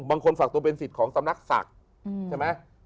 ฝากตัวเป็นสิทธิ์ของสำนักศักดิ์ใช่ไหม